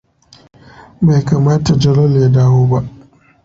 Bai kamata Jalal ya dawo ba.